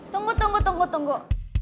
tunggu tunggu tunggu